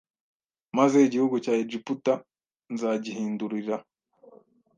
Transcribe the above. Maze igihugu cya Egiputa nzagihindurira